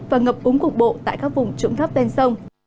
và ngập úng cục bộ tại các vùng trụng thấp ven sông